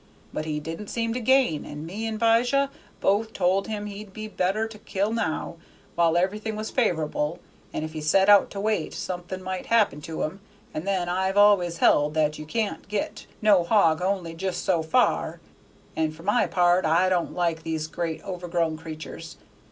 But he didn't seem to gain, and me and 'Bijah both told him he'd be better to kill now, while everything was favor'ble, and if he set out to wait something might happen to him, and then I've always held that you can't get no hog only just so fur, and for my part I don't like these great overgrown creatur's.